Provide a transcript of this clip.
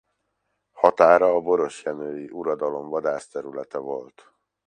Határa a borosjenői uradalom vadászterülete volt.